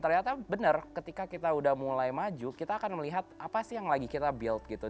ternyata benar ketika kita udah mulai maju kita akan melihat apa sih yang lagi kita build gitu